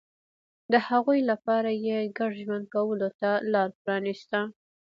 د هغوی لپاره یې ګډ ژوند کولو ته لار پرانېسته